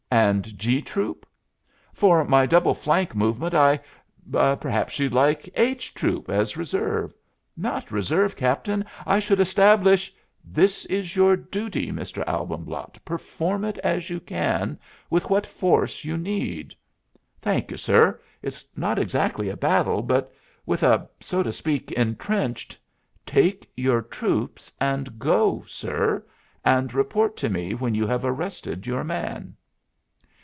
And G troop?" "For my double flank movement I " "Perhaps you'd like H troop as reserve?" "Not reserve, Captain. I should establish " "This is your duty, Mr. Albumblatt. Perform it as you can, with what force you need." "Thank you, sir. It is not exactly a battle, but with a, so to speak, intrenched " "Take your troops and go, sir, and report to me when you have arrested your man."